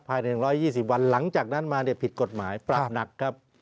ภายใน๑๒๐วันหลังจากนั้นมาผิดกฎหมายปรับหนักครับ